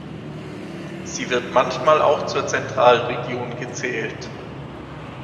Sie wird manchmal auch zur Zentralregion gezählt.